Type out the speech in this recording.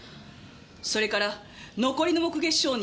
それから残りの目撃証人